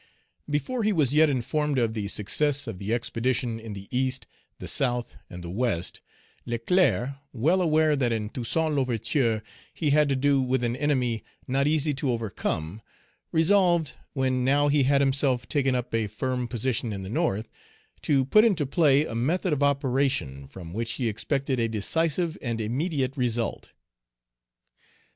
BEFORE he was yet informed of the success of the expedition in the East, the South, and the West, Leclerc, well aware that in Toussaint L'Ouverture he had to do with an enemy not easy to overcome, resolved, when now he had himself taken up a firm position in the North, to put into play a method of operation from which he expected a decisive and immediate result.